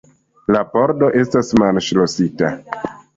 La pordo estas malŝlosita.